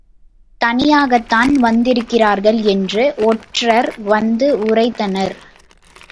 தனியாகத்தான் வந்திருக்கிறார்கள் என்று ஒற்றர் வந்து உரைத்தனர்.